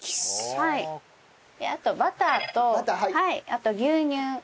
あとバターとあと牛乳。